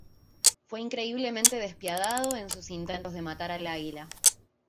Fue increíblemente despiadado en sus intentos de matar al águila.